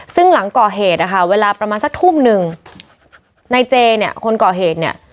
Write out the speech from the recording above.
ซึ่งหลังก่อเหตุนะคะเวลาประมาณสักทุ่มหนึ่งนายเจเนี่ยคนก่อเหตุเนี่ย